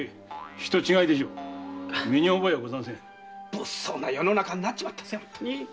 物騒な世の中になっちまったぜ。